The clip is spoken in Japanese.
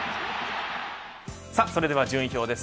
それでは順位表です。